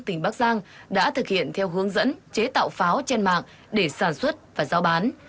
tỉnh bắc giang đã thực hiện theo hướng dẫn chế tạo pháo trên mạng để sản xuất và giao bán